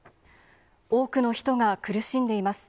多くの人が苦しんでいます。